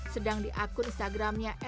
sedang di akun instagramnya